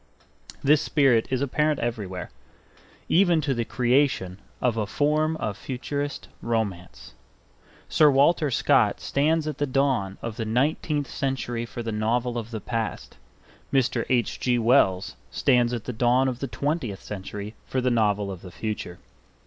This spirit is apparent everywhere, even to the creation of a form of futurist romance. Sir Walter Scott stands at the dawn of the nineteenth century for the novel of the past; Mr. H. G. Wells stands at the dawn of the twentieth century for the novel of the future.